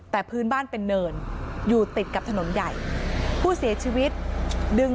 แต่พื้นบ้านเป็นเนินอยู่ติดกับถนนใหญ่ผู้เสียชีวิตดึง